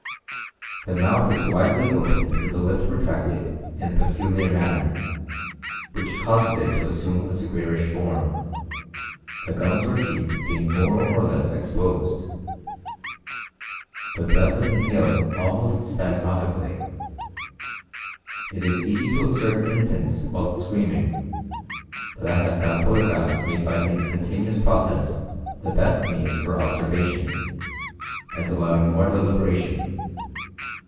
The mouth is widely opened with the lips retracted in a peculiar manner, which causes it to assume a squarish form; the gums or teeth being more or less exposed. The breath is inhaled almost spasmodically. It is easy to observe infants whilst screaming; but I have found photographs made by the instantaneous process the best means for observation, as allowing more deliberation.